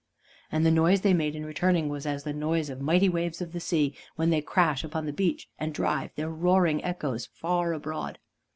And the noise they made in returning was as the noise of mighty waves of the sea, when they crash upon the beach and drive their roaring echoes far abroad.